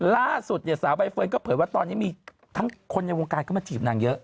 ล่าสุดเนี่ยสาวใบเฟิร์นก็เผยว่าตอนนี้มีทั้งคนในวงการเข้ามาจีบนางเยอะ